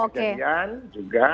jadi ada kejadian juga